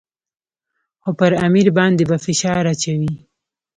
خو پر امیر باندې به فشار اچوي.